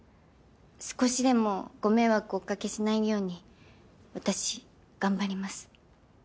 少しでもご迷惑をお掛けしないように私頑張ります。